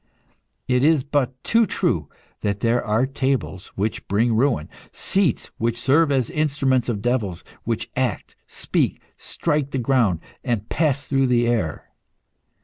It is but too true that there are tables which bring ruin, seats which serve as the instruments of devils, which act, speak, strike the ground, and pass through the air.